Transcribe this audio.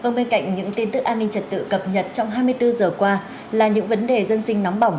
vâng bên cạnh những tin tức an ninh trật tự cập nhật trong hai mươi bốn giờ qua là những vấn đề dân sinh nóng bỏng